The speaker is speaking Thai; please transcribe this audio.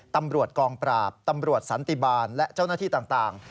ตำรวจกองปราบตำรวจสันติบาลและเจ้าหน้าที่ต่าง